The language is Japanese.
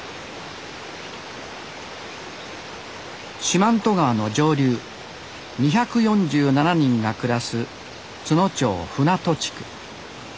四万十川の上流２４７人が暮らす津野町船戸地区。